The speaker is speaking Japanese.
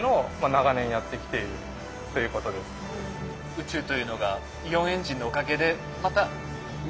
宇宙というのがイオンエンジンのおかげでまた身近になりますね。